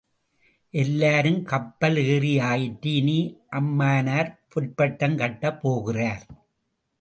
எல்லாரும் கப்பல் ஏறி ஆயிற்று இனி அம்மானார் பொற்பட்டம் கட்டப் போகிறார்.